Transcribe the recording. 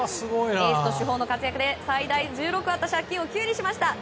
エースと主砲の活躍で最大１６あった借金が９にしました。